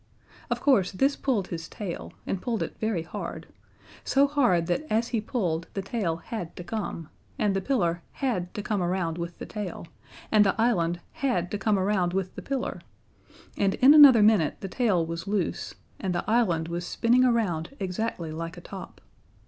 Of course this pulled his tail, and pulled it very hard, so hard that as he pulled the tail had to come, and the pillar had to come around with the tail, and the island had to come around with the pillar, and in another minute the tail was loose, and the island was spinning around exactly like a top.